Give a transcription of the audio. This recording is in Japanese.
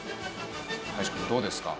林くんどうですか？